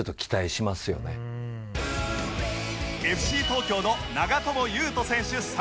ＦＣ 東京の長友佑都選手